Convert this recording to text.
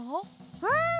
うん！